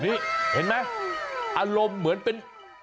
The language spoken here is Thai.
นี่เห็นไหมอารมณ์เหมือนเป็น